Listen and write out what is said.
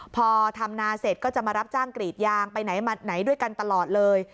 พอทำนาเสร็จก็จะมารับจ้างกรีดยางไปไหนมาไหนด้วยกันตลอดเลย